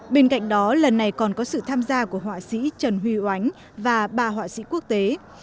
bên cạnh đó lần này còn có sự tham gia của họa sĩ trần huy oánh và ba họa sĩ quốc tế